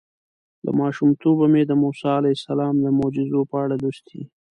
له ماشومتوبه مې د موسی علیه السلام د معجزو په اړه لوستي.